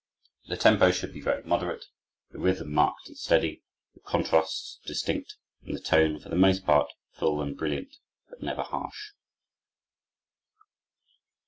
The tempo should be very moderate, the rhythm marked and steady, the contrasts distinct, and the tone, for the most part, full and brilliant, but never harsh.